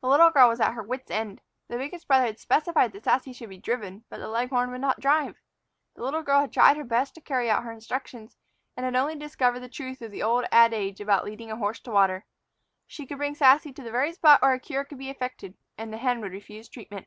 The little girl was at her wits' end. The biggest brother had specified that Sassy should be driven; but the leghorn would not drive. The little girl had tried her best to carry out her instructions, and had only discovered the truth of the old adage about leading a horse to water. She could bring Sassy to the very spot where a cure could be effected and the hen would refuse treatment.